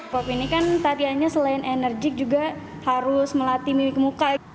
pop ini kan tatiannya selain enerjik juga harus melatih mimpi kemuka